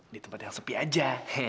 di tempat yang sepi aja